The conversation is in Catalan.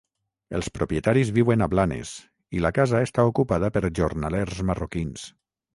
Els propietaris viuen a Blanes i la casa està ocupada per jornalers marroquins.